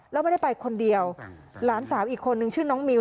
แล้วไม่ได้ไปคนเดียวหลานสาวอีกคนนึงชื่อน้องมิว